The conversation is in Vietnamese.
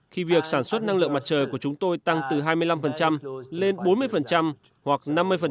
khi việc sản xuất năng lượng mặt trời của chúng tôi tăng từ hai mươi năm lên bốn mươi hoặc năm mươi